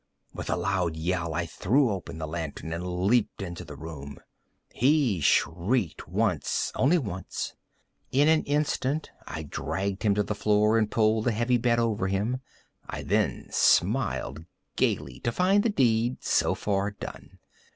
With a loud yell, I threw open the lantern and leaped into the room. He shrieked once—once only. In an instant I dragged him to the floor, and pulled the heavy bed over him. I then smiled gaily, to find the deed so far done.